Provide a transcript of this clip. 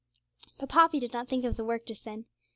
But Poppy did not think of the work just then.